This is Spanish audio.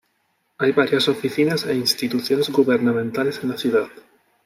Hay varias oficinas e instituciones gubernamentales en la ciudad.